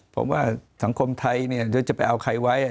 ผมว่าสังคมไทยเนี่ยเดี๋ยวจะไปเอาใครไว้